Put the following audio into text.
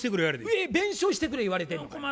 えっ弁償してくれ言われてんのかい。